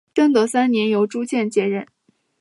正德三年由朱鉴接任。